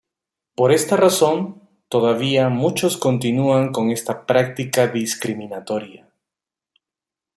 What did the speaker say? Por esta razón, todavía muchos continúan con esta práctica discriminatoria.